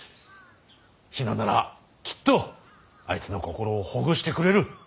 比奈ならきっとあいつの心をほぐしてくれる。